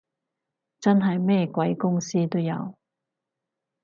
真係咩鬼公司都有